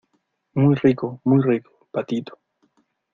muy rico, muy rico , patito.